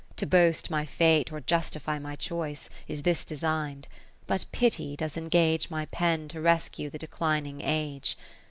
To boast my fate, or justify my choice, Is this design'd ; but pity does engage My pen to rescue the declining Age.